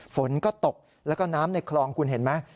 ฝนก็ตกแล้วก็น้ำในคลองคุณเห็นไหม